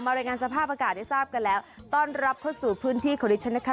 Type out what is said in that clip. มารับรายงานสภาพอากาศได้ทราบกันแล้วต้อนรับเข้าสู่พื้นที่ขวดฤทธิ์ชนะค่ะ